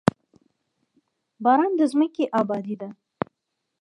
باران د ځمکې ابادي ده.